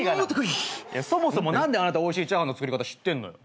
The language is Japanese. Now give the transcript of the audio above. そもそも何であなたおいしいチャーハンの作り方知ってんのよ。